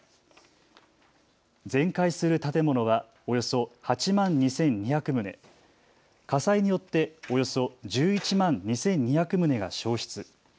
全壊する建物はおよそ８万２２００棟、火災によっておよそ１１万２２００棟が焼失。